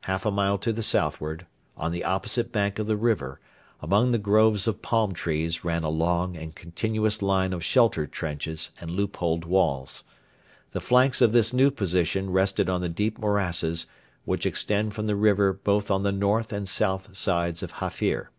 Half a mile to the southward, on the opposite bank of the river, among the groves of palm trees ran a long and continuous line of shelter trenches and loopholed walls. The flanks of this new position rested on the deep morasses which extend from the river both on the north and south sides of Hafir.